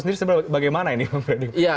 sendiri sebenarnya bagaimana ini pak fredy